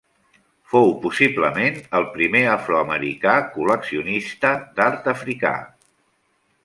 Fou possiblement el primer afroamericà col·leccionista d'art africà.